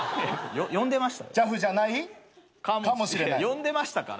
呼んでましたから。